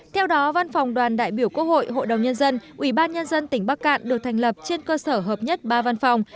theo đó văn phòng đoàn đại biểu quốc hội hội đồng nhân dân ủy ban nhân dân tỉnh bắc cạn được thành lập trên cơ sở hợp nhất ba văn phòng